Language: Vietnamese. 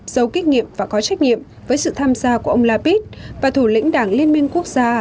giấu kinh nghiệm và có trách nhiệm với sự tham gia của ông lapid và thủ lĩnh đảng liên minh quốc gia